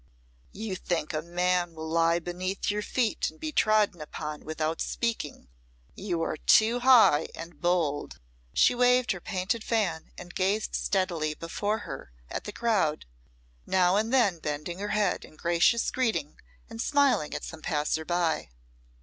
"You think a man will lie beneath your feet and be trodden upon without speaking. You are too high and bold." She waved her painted fan, and gazed steadily before her at the crowd, now and then bending her head in gracious greeting and smiling at some passer by.